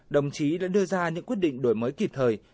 đồng chí đã đưa ra những quyết định đổi mới kịp thời